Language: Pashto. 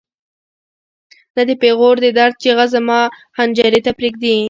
نه د پېغور د درد چیغه زما حنجرې ته پرېږدي.